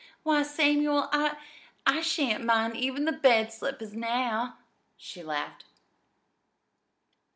Why, Samuel, I I shan't mind even the bed slippers now," she laughed.